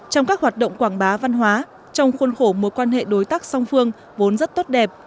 trong các hoạt động quảng bá văn hóa trong khuôn khổ mối quan hệ đối tác song phương vốn rất tốt đẹp